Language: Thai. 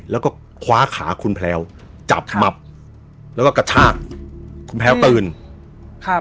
แล้วก็คว้าขาคุณแพลวจับหมับแล้วก็กระชากคุณแพลวตื่นครับ